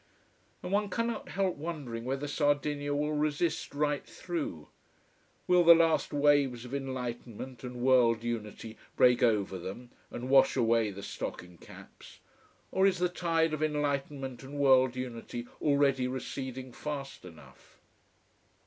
And one cannot help wondering whether Sardinia will resist right through. Will the last waves of enlightenment and world unity break over them and wash away the stocking caps? Or is the tide of enlightenment and world unity already receding fast enough?